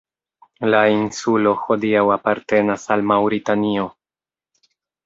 La insulo hodiaŭ apartenas al Maŭritanio.